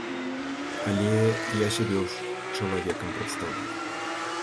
Але я сябе ўсё ж чалавекам прадстаўляю.